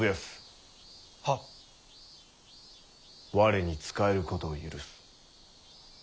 我に仕えることを許す。